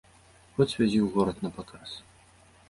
Хоць вязі ў горад на паказ!